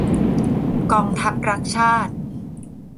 กองทัพรักชาติ !